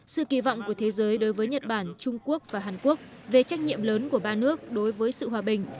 sự kỳ vọng của thế giới đối với nhật bản trung quốc và hàn quốc về trách nhiệm lớn của ba nước đối với sự hòa bình